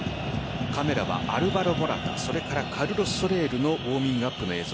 カメラはアルヴァロ・モラタカルロス・ソレールのウォーミングアップの映像。